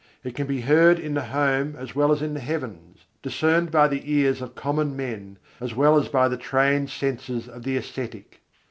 It can be heard in the home as well as in the heavens; discerned by the ears of common men as well as by the trained senses of the ascetic.